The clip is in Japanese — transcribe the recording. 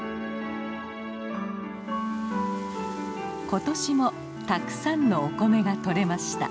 今年もたくさんのお米が取れました。